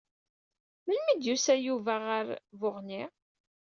Melmi i d-yusa Yuba ar Buɣni?